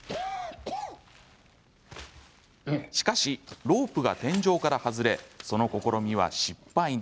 しかし、ロープが天井から外れその試みは失敗に。